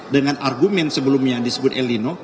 dengan argumen sebelumnya yang disebut el lino